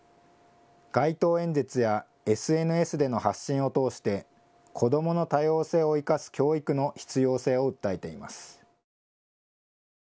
街頭演説やＳＮＳでの発信を通して、子どもの多様性を生かす教育の必要性を訴えています。